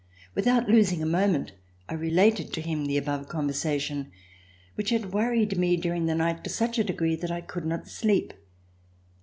Without losing a moment I related to him the above conversation which had worried me during the night to such a degree that I could not sleep.